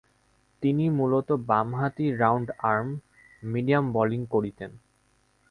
তিনি মূলতঃ বামহাতি রাউন্ড-আর্ম মিডিয়াম বোলিং করতেন।